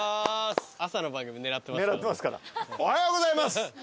おはようございます！